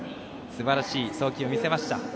すばらしい送球を見せました。